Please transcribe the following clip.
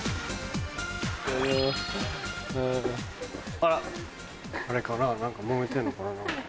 あらあれかな何かもめてんのかな？